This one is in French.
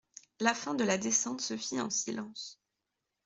La fin de la descente se fit en silence.